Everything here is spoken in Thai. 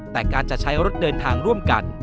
แต่การจะใช้รถเดินทางร่วมกัน